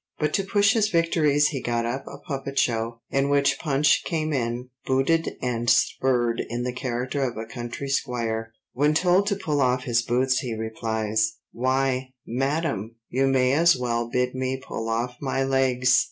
But to push his victories he got up a puppet show, in which Punch came in, booted and spurred in the character of a country squire. When told to pull off his boots he replies:—'Why, madam, you may as well bid me pull off my legs.